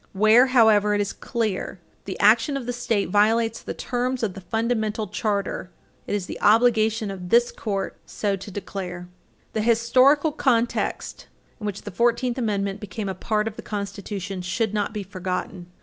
Where, however, it is clear that the action of the State violates the terms of the fundamental charter, it is the obligation of this Court so to declare. The historical context in which the Fourteenth Amendment became a part of the Constitution should not be forgotten.